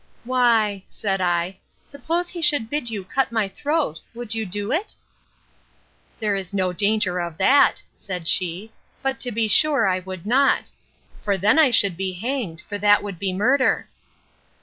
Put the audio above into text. Why, said I, suppose he should bid you cut my throat, Would you do it? There's no danger of that, said she; but to be sure I would not; for then I should be hanged! for that would be murder.